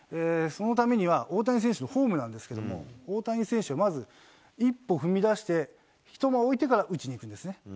そのためには、大谷選手のフォームなんですけれども、大谷選手はまず１歩踏み出して、一間置いてから打ちにいくんですね。